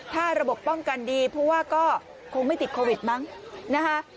ถ้าระบบป้องกันดีเพราะว่าก็คงไม่ติดโควิดมั้งนะคะ